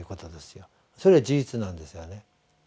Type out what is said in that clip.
それは事実なんですよね。